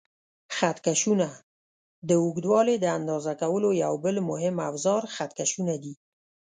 خط کشونه: د اوږدوالي د اندازه کولو یو بل مهم اوزار خط کشونه دي.